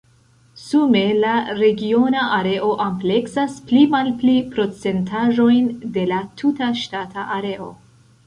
Sume la regiona areo ampleksas pli-malpli procentaĵojn de la tuta ŝtata areo.